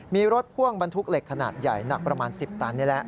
มีรถพ่วงบรรทุกเหล็กขนาดใหญ่หนักประมาณ๑๐ตันนี่แหละ